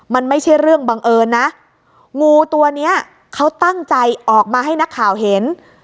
มันไม่ใช่เรื่องบังเอิญนะงูตัวเนี้ยเขาตั้งใจออกมาให้นักข่าวเห็น